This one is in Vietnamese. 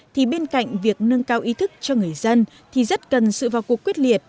thì bên cạnh việc nâng cao ý thức cho người dân thì rất cần sự vào cuộc quyết liệt